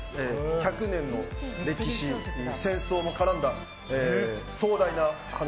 １００年の歴史、戦争も絡んだ壮大な話。